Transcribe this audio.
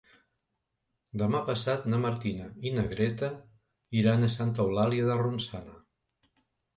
Demà passat na Martina i na Greta iran a Santa Eulàlia de Ronçana.